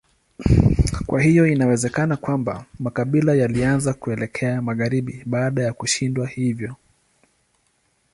Kwa hiyo inawezekana kwamba makabila yalianza kuelekea magharibi baada ya kushindwa hivyo.